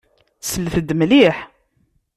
Slet-d mliḥ.